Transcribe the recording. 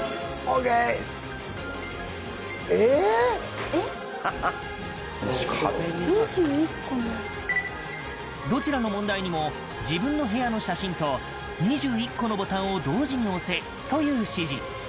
えっとどちらの問題にも自分の部屋の写真と２１個のボタンを同時に押せという指示。